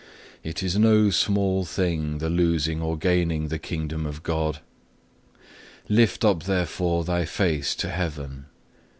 It is no small thing, the losing or gaining the Kingdom of God. Lift up therefore thy face to heaven.